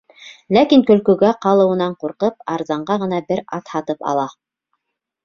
Ләкин көлкөгә ҡалыуынан ҡурҡып, арзанға ғына бер ат һатып ала.